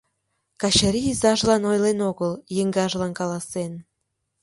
Качырий изажлан ойлен огыл, еҥгажлан каласен.